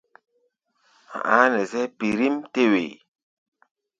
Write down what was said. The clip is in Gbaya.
A̧ a̧á̧ nɛ zɛ́ɛ́ pirím-tɛ́-wee.